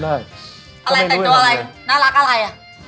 อะไรแต่งตัวอะไรน่ารักอะไรอ่ะ